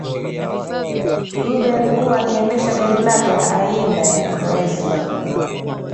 Dube alikuwa akiendesha gari lake la aina ya Chrysler